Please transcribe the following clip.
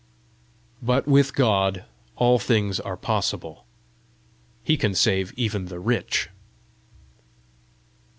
But with God all things are possible: He can save even the rich!